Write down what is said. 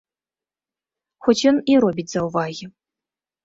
Хоць ён і робіць заўвагі.